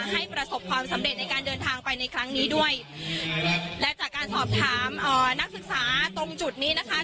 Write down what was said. ให้ประสบความสำเร็จในการเดินทางไปในครั้งนี้ด้วยและจากการสอบถามนักศึกษาตรงจุดนี้นะคะ